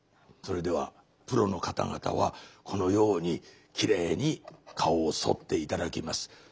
それではプロの方々はこのようにきれいに顔をそって頂きます。